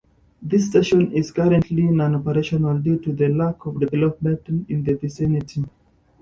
This station is currently non-operational due to the lack of development in the vicinity.